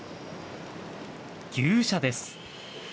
牛舎です。